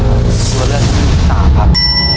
ตัวเลือกที่๓ครับ